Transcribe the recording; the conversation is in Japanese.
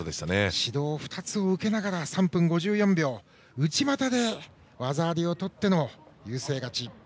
指導２つを受けながら３分５４秒、内股で技ありをとっての優勢勝ち。